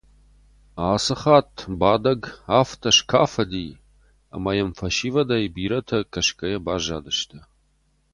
Ацы хатт Бадӕг афтӕ скафыди, ӕмӕ йӕм фӕсивӕдӕй бирӕтӕ кӕсгӕйӕ баззадысты.